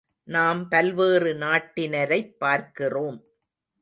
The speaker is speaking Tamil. நாம் பல்வேறு நாட்டினரைப் பார்க்கிறோம்.